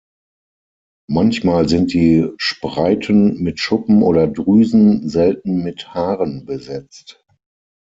Manchmal sind die Spreiten mit Schuppen oder Drüsen, selten mit Haaren besetzt.